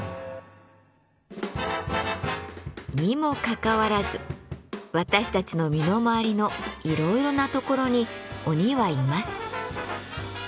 にもかかわらず私たちの身の回りのいろいろなところに鬼はいます。